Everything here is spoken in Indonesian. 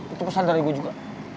itu pesan dari gue juga